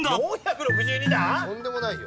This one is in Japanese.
とんでもないよ。